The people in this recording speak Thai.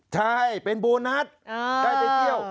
ใช่เป็นโบนัสได้ไปเที่ยว